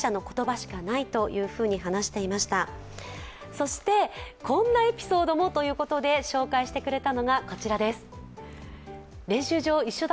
そしてこんなエピソードもということで紹介してくれました。